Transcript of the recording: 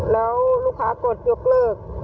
แล้วลูกค้ากดยกเลิก